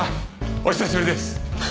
お久しぶりです！